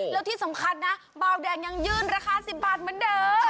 แล้วที่สำคัญนะเบาแดงยังยืนราคา๑๐บาทเหมือนเดิม